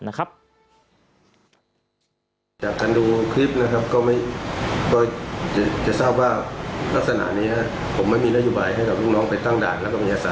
จากการดูคลิปนะครับก็ไม่จะเจอลักษณะเนี้ยครับ